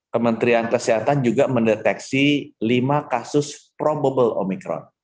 kementerian kesehatan juga mendeteksi lima kasus probable omicron